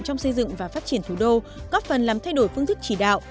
trong xây dựng và phát triển thủ đô góp phần làm thay đổi phương thức chỉ đạo